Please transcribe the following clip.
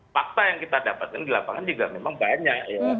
fakta yang kita dapatkan di lapangan juga memang banyak